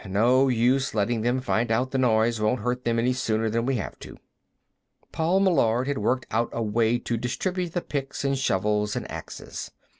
No use letting them find out the noise won't hurt them any sooner than we have to." Paul Meillard had worked out a way to distribute the picks and shovels and axes.